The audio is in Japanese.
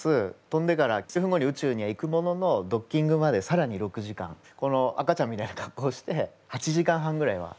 飛んでから数分後に宇宙には行くもののドッキングまでさらに６時間この赤ちゃんみたいな格好して８時間半ぐらいはずっと過ごすんですね。